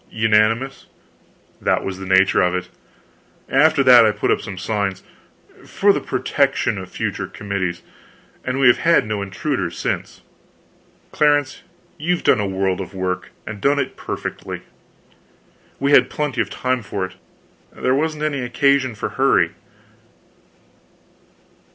"Unanimous?" "That was the nature of it. After that I put up some signs, for the protection of future committees, and we have had no intruders since." "Clarence, you've done a world of work, and done it perfectly." "We had plenty of time for it; there wasn't any occasion for hurry."